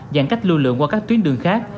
giãn cách lưu lượng qua các tuyến đường khác